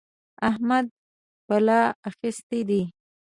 احمد بلا اخيستی دی.